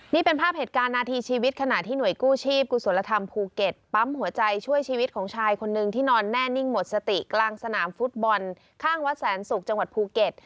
นี่เป็นภาพเหตุการณ์นาทีชีวิตขณะที่หน่วยกู้ชีพกุศลธรรมภูเก็ตปั๊มหัวใจช่วยชีวิตของชายคนนึงที่นอนแน่นิ่งหมดสติกลางสนามฟุตบอลข้างวัดแสนศุกร์จังหวัดภูเก็ต